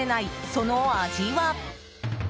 その味は。